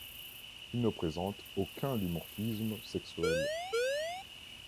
Il ne présente aucun dimorphisme sexuel.